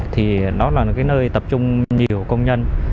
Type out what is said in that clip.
thì nó là cái nơi tập trung nhiều công nhân